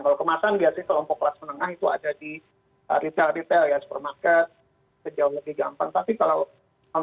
kalau kemasan biasanya kelompok kelas menengah itu ada di retail retail ya supermarket jauh lebih gampang tapi kalau